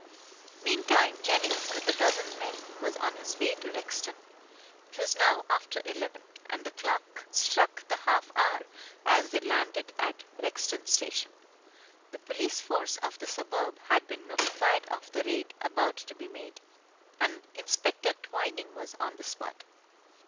Meantime, Jennings, with a dozen men, was on his way to Rexton. It was now after eleven, and the clock struck the half hour as they landed at Rexton Station. The police force of the suburb had been notified of the raid about to be made, and Inspector Twining was on the spot.